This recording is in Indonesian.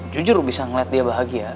jujur bisa melihat dia bahagia